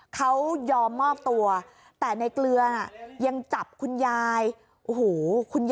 เขายอมมอบตัวแต่ในเกลือยังจับคุณยาย